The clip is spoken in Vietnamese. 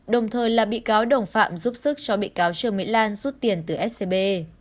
đồng thời là bị cáo đồng phạm giúp sức cho bị cáo trương mỹ lan rút tiền từ scb